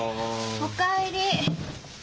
お帰り。